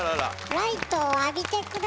ライトを浴びて下さい。